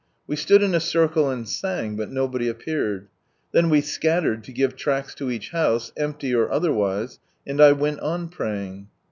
We stood in a circle and sang, but nobody appeared. Then we scattered to give tracts to each house, empty or otherwise, and 1 went on praying.